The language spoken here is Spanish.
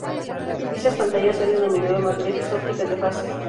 Dichas pantallas se han denominado matrices ópticas de fase.